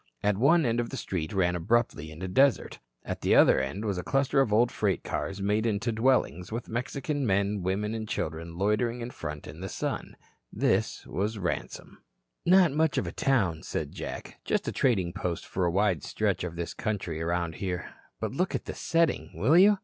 At one end the street ran abruptly into the desert. At the other was a cluster of old freight cars made into dwellings, with Mexican men, women and children loitering in front in the sun. This was Ransome. "Not much of a town," said Jack, "just a trading post for a wide stretch of this country around here. But look at the setting, will you?"